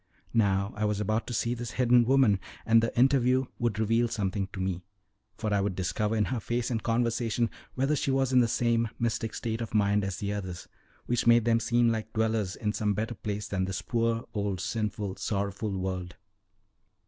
Now I was about to see this hidden woman, and the interview would reveal something to me, for I would discover in her face and conversation whether she was in the same mystic state of mind as the others, which made them seem like the dwellers in some better place than this poor old sinful, sorrowful world.